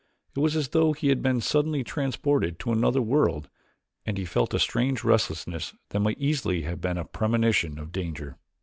It was as though he had been suddenly transported to another world and he felt a strange restlessness that might easily have been a premonition of danger.